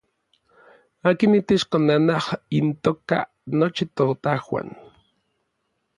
Akin itech konanaj intoka nochi totajuan.